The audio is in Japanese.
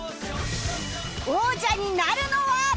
王者になるのは！？